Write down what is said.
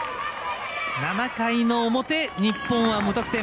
７回の表、日本は無得点。